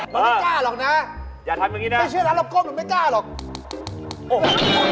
เค้าไม่กล้าหรอกนะไม่เชื่อรันรับกล้มไม่กล้าหรอกโอ้โฮ